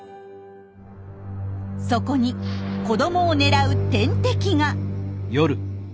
そこに子どもを狙う天敵が。